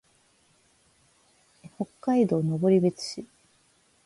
北海道登別市